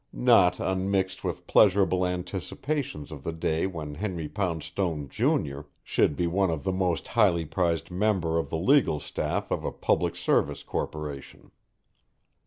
not unmixed with pleasurable anticipations of the day when Henry Poundstone, Junior, should be one of the most highly prized members of the legal staff of a public service corporation.